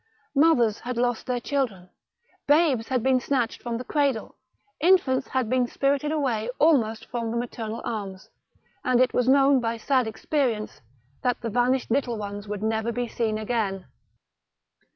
Mothers had lost their children, babes had been snatched from the cradle, infants had been spirited away almost from the maternal arms, and it was known by sad' experience that the vanished little ones would never be seen again.